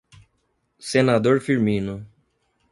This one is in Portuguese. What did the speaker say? Senador Firmino